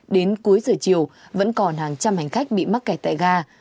đến cuối giờ chiều vẫn còn hàng trăm hành khách bị mắc kẹt tại ga